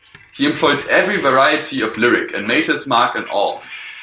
He employed every variety of lyric and made his mark in all.